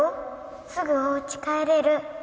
すぐおうち帰れる。